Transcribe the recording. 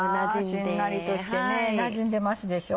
しんなりとしてなじんでますでしょ？